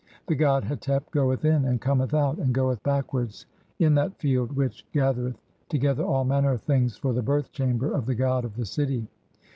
The god Hetep goeth in, "and cometh out, and goeth backwards [in] that Field which "gathereth together all manner of things for the birth chamber "of the god of the city.